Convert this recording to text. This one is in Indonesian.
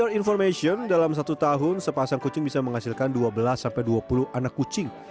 untuk informasi kalian dalam satu tahun sepasang kucing bisa menghasilkan dua belas sampai dua puluh anak kucing